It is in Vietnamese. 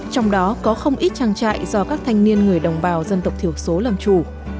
trong đó có không ít trang trại do các thanh niên người đồng bào dân tộc thiểu số làm chủ